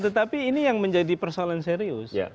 tetapi ini yang menjadi persoalan serius